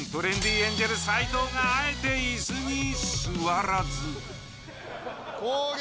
エンジェル斎藤があえてイスに座らず。